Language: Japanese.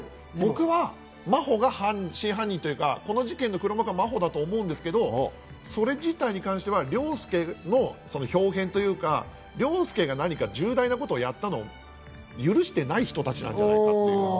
僕は真帆が真犯人というか、この事件の黒幕だと思うんですけど、それ自体に関しては凌介の豹変というか、凌介が何か重大な事をやったのを許してない人たちなんじゃないかって。